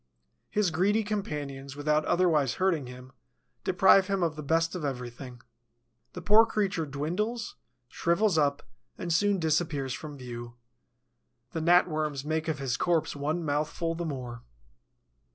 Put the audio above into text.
His greedy companions, without otherwise hurting him, deprive him of the best of everything. The poor creature dwindles, shrivels up and soon disappears from view. The Gnat worms make of his corpse one mouthful the more.